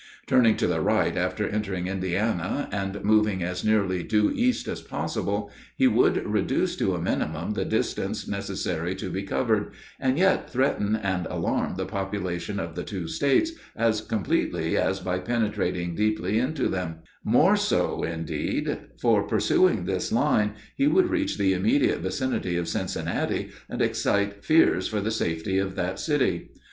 Turning to the right after entering Indiana, and marching as nearly due east as possible, he would reduce to a minimum the distance necessary to be covered, and yet threaten and alarm the population of the two States as completely as by penetrating deeply into them; more so, indeed, for pursuing this line he would reach the immediate vicinity of Cincinnati and excite fears for the safety of that city.